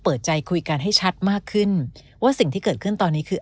เปิดใจคุยกันให้ชัดมากขึ้นว่าสิ่งที่เกิดขึ้นตอนนี้คือ